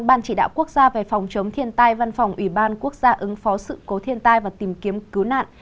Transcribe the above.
ban chỉ đạo quốc gia về phòng chống thiên tai văn phòng ủy ban quốc gia ứng phó sự cố thiên tai và tìm kiếm cứu nạn